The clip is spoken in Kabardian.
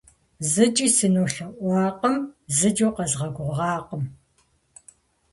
ЗыкӀи сынолъэӀуакъым, зыкӀи укъэзгъэгугъакъым!